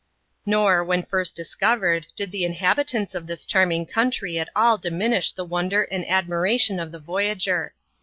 Nor, when first discovered, did' the inhabitants of this charm ing country at all diminish the wonder and admiration of the voyager.